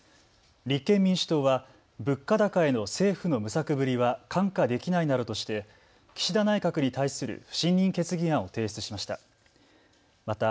立憲民主党は物価高への政府の無策ぶりは看過できないなどとして岸田内閣に対する不信任決議案を提出しました。